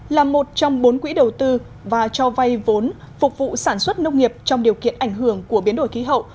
là một trong bốn quỹ đầu tư và cho vay vốn phục vụ sản xuất nông nghiệp trong điều kiện ảnh hưởng của biến đổi khí hậu